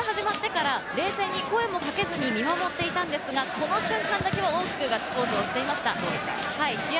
試合が始まってから冷静に声もかけずに見守っていたんですが、この瞬間だけは大きくガッツポーズをしていました。